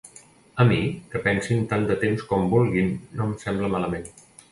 A mi, que pensin tant de temps com vulguin no em sembla malament.